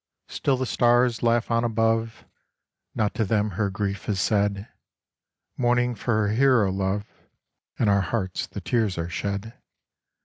Still the stars laugh on above : Not to them her grief is said ; Mourning for her hero love In our hearts the tears are shed.